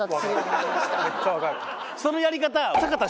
そのやり方。